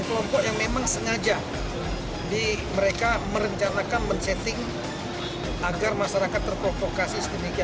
kelompok yang memang sengaja mereka merencanakan men setting agar masyarakat terprovokasi sedemikian